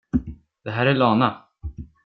Det här är Lana.